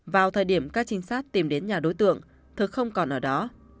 vào thời điểm các trinh sát tìm đến nhà đối tượng thực không còn ở đó